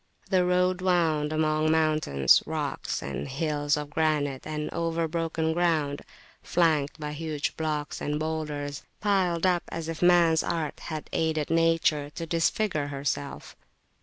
The road wound among mountains, rocks and hills of granite, and over broken ground, flanked by huge blocks and boulders piled up as if man's art had aided Nature to disfigure herself.